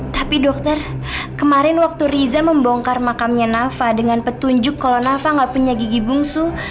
tapi dokter kemarin waktu riza membongkar makamnya nafa dengan petunjuk kalau nafa nggak punya gigi bungsu